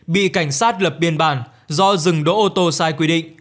bị cảnh sát lập biên bản do dừng đỗ ô tô sai quy định